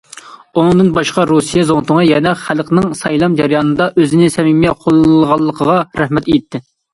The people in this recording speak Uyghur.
ئۇنىڭدىن باشقا، رۇسىيە زۇڭتۇڭى يەنە خەلقنىڭ سايلام جەريانىدا ئۆزىنى سەمىمىي قوللىغانلىقىغا رەھمەت ئېيتتى.